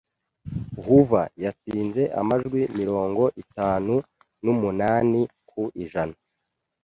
Hoover yatsinze amajwi mirongo itanu n'umunani ku ijana